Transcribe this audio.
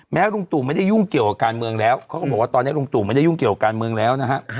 ลุงตู่ไม่ได้ยุ่งเกี่ยวกับการเมืองแล้วเขาก็บอกว่าตอนนี้ลุงตู่ไม่ได้ยุ่งเกี่ยวการเมืองแล้วนะฮะ